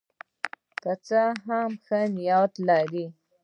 که څه هم ښه نیت لري.